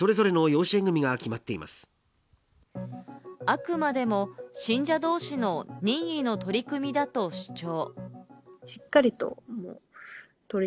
あくまでも信者同士の任意の取り組みだと主張。